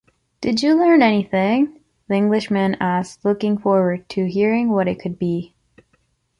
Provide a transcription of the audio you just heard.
"Did you learn anything??", the English man asked looking forward to hearing what it could be.